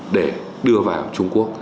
để đưa vào trung quốc